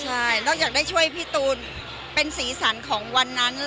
ใช่นอกจากได้ช่วยพี่ตูเป็นศีรษรของวันนั้น